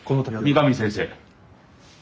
三上先生！